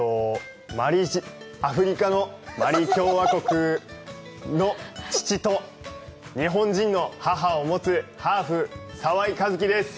アフリカのマリ共和国の父と、日本人の母を持つハーフ、澤井一希です。